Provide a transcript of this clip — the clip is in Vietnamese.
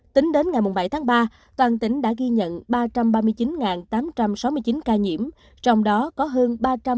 tính đến ngày bảy tháng ba toàn tỉnh đã ghi nhận ba trăm ba mươi chín tám trăm sáu mươi chín ca nhiễm trong đó có hơn ba trăm linh ca